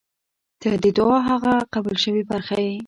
• ته د دعا هغه قبل شوې برخه یې.